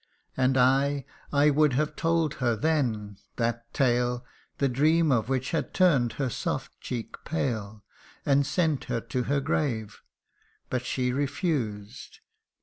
And I I would have told her then that tale The dream of which had turn'd her soft cheek pale, And sent her to her grave but she refused.